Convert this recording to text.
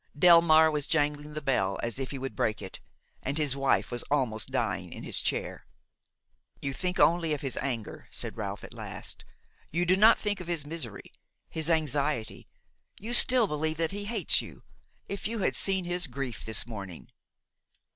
Delmare was jangling the bell as if he would break it, and his wife was almost dying in his chair. "You think only of his anger," said Ralph at last; "you do not think of his misery, his anxiety; you still believe that he hates you. If you had seen his grief this morning!"